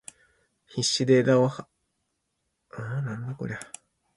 必死で枝を葉を掻き分け、生垣の中から何かを探していた。そこまで一生懸命な君は初めて見た気がする。